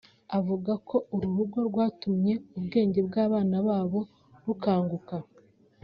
avuga ko uru rugo rwatumye ubwenge bw’abana babo bukanguka